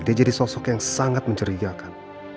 dia jadi sosok yang sangat mencurigakan